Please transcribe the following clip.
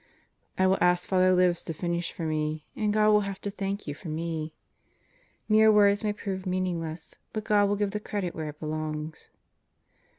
I will ask Fr. Libs to finish for me, and God will have to thank you for me. Mere words may prove mean ingless, but God will give the credit where it belongs.